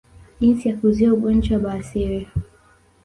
Jinsi ya kuzuia ugonjwa wa bawasiri